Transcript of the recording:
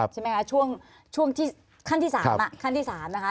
ใช่ไหมคะช่วงที่ขั้นที่๓นะคะ